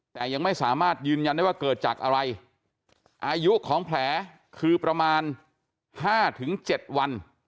แต่ยังไม่สามารถยืนยันได้ว่าเกิดจากอะไรอายุของแผลคือประมาณ๕๗วัน